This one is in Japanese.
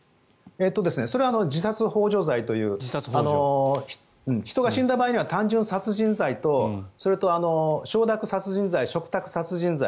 それは自殺ほう助罪という人が死んだ場合には単純殺人罪とそれと承諾殺人罪、嘱託殺人罪。